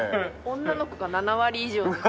女の子が７割以上です